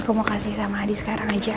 aku mau kasih sama adi sekarang aja